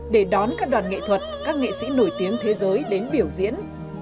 để đón các đoàn nghệ thuật các nghệ sĩ nổi tiếng thế giới đến biểu diễn